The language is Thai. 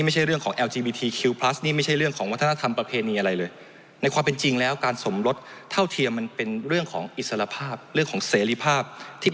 จะพบว่านี่ไม่ใช่เรื่องของการแต่งงานครับ